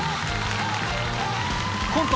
コント